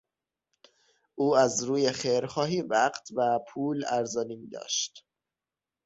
او از روی خیرخواهی وقت و پول ارزانی میداشت.